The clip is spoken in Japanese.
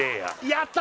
やった！